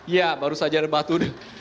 ya baru saja ada batu